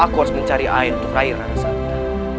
aku harus mencari air untuk rai rarasata